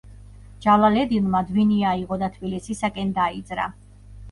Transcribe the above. ჯალალედინმა დვინი აიღო და თბილისისაკენ დაიძრა.